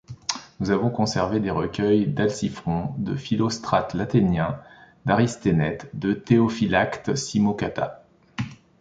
Nous avons conservé des recueils d'Alciphron, de Philostrate l'Athénien, d'Aristénète, de Théophylacte Simocatta.